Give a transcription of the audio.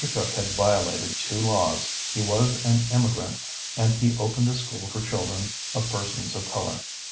Cook had violated two laws, he was an immigrant, and he opened a school for children of persons of color.